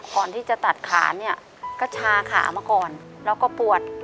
ก่อนที่จะตัดขาเนี่ยก็ชาขามาก่อนแล้วก็ปวด